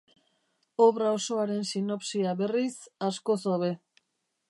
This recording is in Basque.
Obra osoaren sinopsia, berriz, askoz hobe.